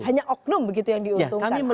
hanya oknum begitu yang diuntungkan